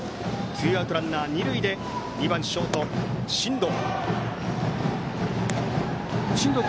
ツーアウトランナー、二塁で２番ショート、進藤。